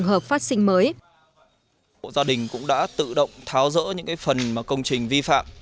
hộ gia đình cũng đã tự động tháo rỡ những phần công trình vi phạm